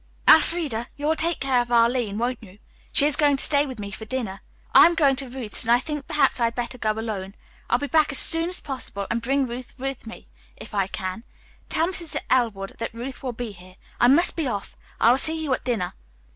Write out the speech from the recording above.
"Elfreda, you will take care of Arline, won't you? She is going to stay with me for dinner. I am going to Ruth's and I think perhaps I had better go alone. I'll be back as soon as possible, and bring Ruth with me, if I can. Tell Mrs. Elwood that Ruth will be here. I must be off. I will see you at dinner."